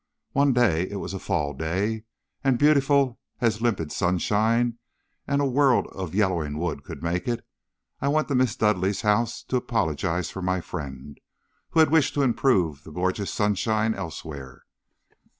One day it was a fall day and beautiful as limpid sunshine and a world of yellowing woods could make it I went to Miss Dudleigh's house to apologize for my friend, who had wished to improve the gorgeous sunshine elsewhere.